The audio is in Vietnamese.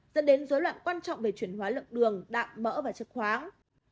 dẫn đến dối loạn quan trọng về chuyển hóa lượng đường đạm mỡ và chìach khoáng